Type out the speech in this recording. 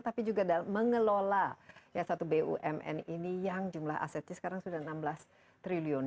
tapi juga dalam mengelola satu bumn ini yang jumlah asetnya sekarang sudah enam belas triliun